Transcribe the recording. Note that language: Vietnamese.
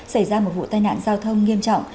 xảy ra một vụ tai nạn giao thông nghiêm trọng